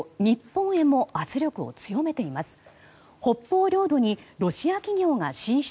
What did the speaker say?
日本へも圧力を強めています。